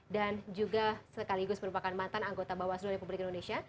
dan juga sekaligus merupakan mantan anggota bawasdo republik indonesia